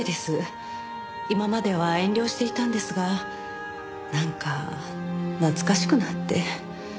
今までは遠慮していたんですがなんか懐かしくなって。